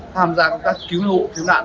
tham gia công tác cứu nạn hộ